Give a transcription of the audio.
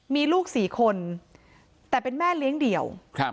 มีลูกสี่คนแต่เป็นแม่เลี้ยงเดี่ยว